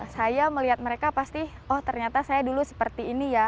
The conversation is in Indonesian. saya melihat mereka pasti oh ternyata saya dulu seperti ini ya